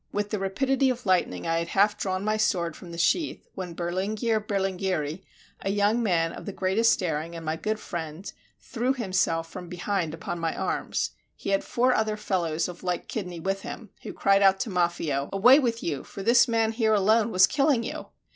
With the rapidity of lightning I had half drawn my sword from the sheath, when Berlinghier Berlinghieri, a young man of the greatest daring and my good friend, threw himself from behind upon my arms; he had four other fellows of like kidney with him, who cried out to Maffio, "Away with you, for this man here alone was killing you!"